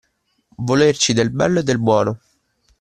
Volerci del bello e del buono.